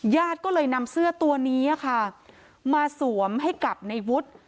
ญาติก็เลยนำเสื้อตัวนี้ค่ะมาสวมให้กับในวุฒิ